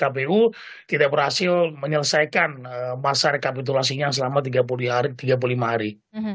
karena nanti kpu tidak berhasil menyelesaikan masa rekapitulasinya selama tiga puluh lima hari